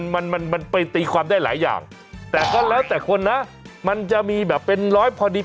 มันจะเป็นอย่างไรลักษณะดีฉันไม่เข้าใจ